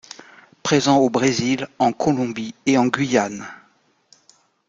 Présent au Brésil, en Colombie et en Guyane.